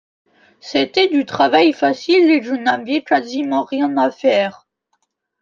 C’était du travail facile et je n’avais quasiment rien à faire.